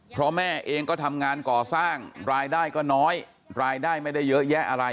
เพราะแม่เองก็ทำงานก่อสร้างรายได้ก็น้อยรายได้ไม่ได้เยอะแยะอะไร